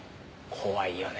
怖いよね